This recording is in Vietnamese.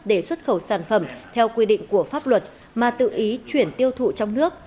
để xuất khẩu sản phẩm theo quy định của pháp luật mà tự ý chuyển tiêu thụ trong nước